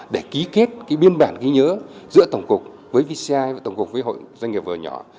để ký kết cái biên bản ghi nhớ giữa tổng cục với vci và tổng cục với hội doanh nghiệp vừa nhỏ